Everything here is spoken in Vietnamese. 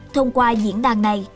thông qua diễn đàn này